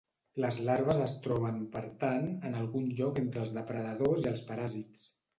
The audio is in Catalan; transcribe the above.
Les larves es troben, per tant, en algun lloc entre els depredadors i els paràsits.